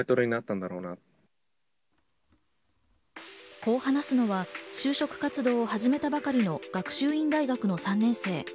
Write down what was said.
こう話すのは就職活動を始めたばかりの学習院大学の３年生。